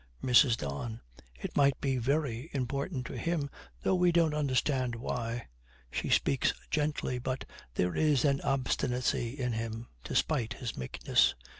MRS. DON. 'It might be very important to him, though we don't understand why.' She speaks gently, but there is an obstinacy in him, despite his meekness. MR.